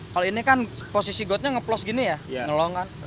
kalau ini kan posisi gotnya ngeplos gini ya